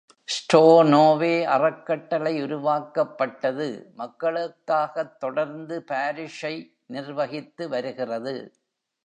ஸ்டோர்னோவே அறக்கட்டளை உருவாக்கப்பட்டது, மக்களுக்காகத் தொடர்ந்து பாரிஷை நிர்வகித்துவருகிறது.